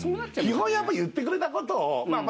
基本やっぱ言ってくれたことをまあ